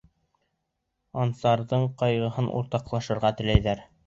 Ансарҙың ҡайғыһын уртаҡлашырға теләйҙәр.